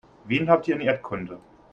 Wen habt ihr in Erdkunde?